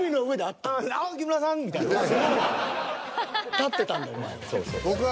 立ってたんだお前は。